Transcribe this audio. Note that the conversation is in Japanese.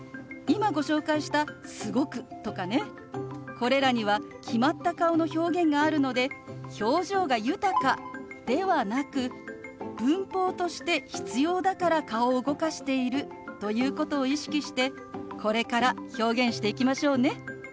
これらには決まった顔の表現があるので「表情が豊か」ではなく文法として必要だから顔を動かしているということを意識してこれから表現していきましょうね。